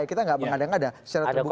kita nggak mengadang adang ada secara terbuka